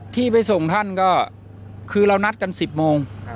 ที่ไปส่งท่านก็คือเรานัดกัน๑๐โมง